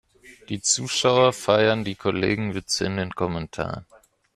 Die Zuschauer feiern die Kollegenwitze in den Kommentaren.